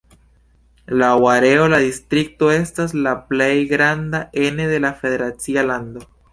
Laŭ areo, la distrikto estas la plej granda ene de la federacia lando.